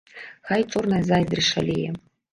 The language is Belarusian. Хай чорная зайздрасць шалее.